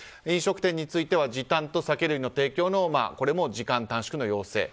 飲食店については時短と酒類の提供のこれも時間短縮の要請